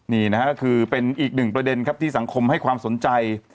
นี่นะฮะก็คือเป็นอีกหนึ่งประเด็นครับที่สังคมให้ความสนใจ